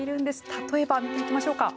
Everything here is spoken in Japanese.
例えば見ていきましょうか。